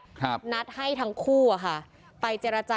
ก็กลายเป็นว่าติดต่อพี่น้องคู่นี้ไม่ได้เลยค่ะ